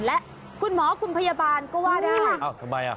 และคุณหมอคุณพยาบาลก็ว่าได้